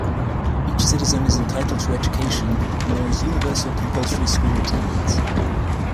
Each citizen is entitled to education and there is universal compulsory school attendance.